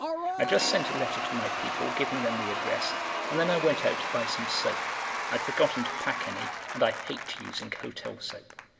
I just sent a letter to my people, giving them the address, and then I went out to buy some soap—I'd forgotten to pack any and I hate using hotel soap.